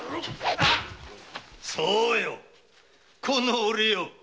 そうよ。